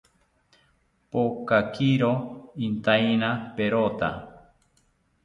Pokakiro intaina perota